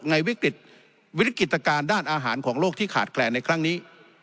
วิกฤตวิกฤตการณ์ด้านอาหารของโลกที่ขาดแคลนในครั้งนี้